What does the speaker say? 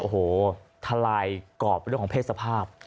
โอ้โหทลายกรอบเรื่องของเพศสภาพ